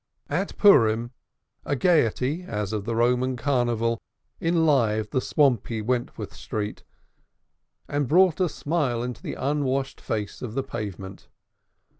At Purim a gaiety, as of the Roman carnival, enlivened the swampy Wentworth Street, and brought a smile into the unwashed face of the pavement.